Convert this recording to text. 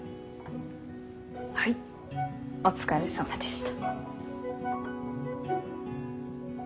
はいお疲れさまでした。